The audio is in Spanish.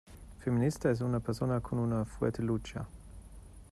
Feminista es una persona con una fuerte lucha.